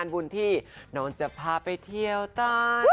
บุญที่น้องจะพาไปเที่ยวใต้